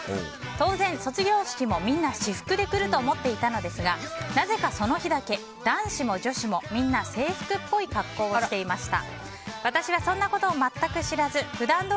当然、卒業式もみんな私服で来ると思っていたのですがなぜかその日だけ男子も女子もみんな制服っぽい格好をしていました。